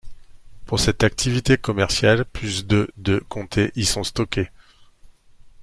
Pour cette activité commerciale, plus de de comté y sont stockées.